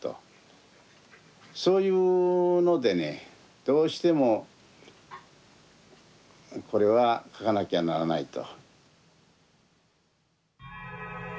そういうのでねどうしてもこれは描かなきゃならないと。